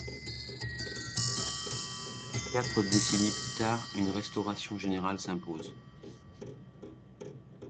Mais quatre décennies plus tard, une restauration générale s'impose.